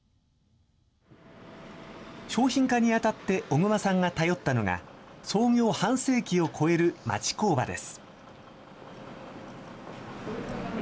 商品化にあたって、小熊さんが頼ったのが、創業半世紀を超える町工場です。